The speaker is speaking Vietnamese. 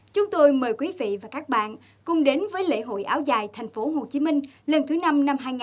chúng tôi mời quý vị và các bạn cùng đến với lễ hội áo dài tp hcm lần thứ năm năm hai nghìn hai mươi